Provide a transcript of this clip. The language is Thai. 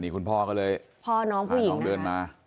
คุณพ่อว่าน้องผู้หญิงนะคะ